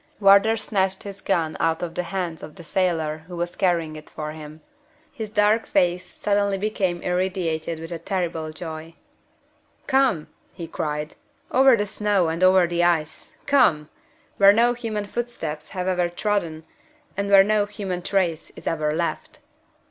Wardour snatched his gun out of the hands of the sailor who was carrying it for him. His dark face became suddenly irradiated with a terrible joy. "Come!" he cried. "Over the snow and over the ice! Come! where no human footsteps have ever trodden, and where no human trace is ever left."